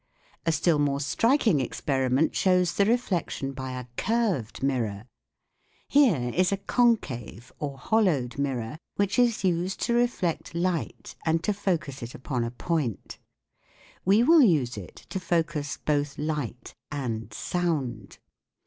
A still more striking experiment shows the re flection by a curved mirror. Here is a concave or hollowed mirror (Fig. 16) which is used to reflect light and to focus it upon a point : we will use it to focus both light and sound.